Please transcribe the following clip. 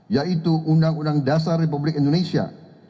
yaitu undang undang dasar republik indonesia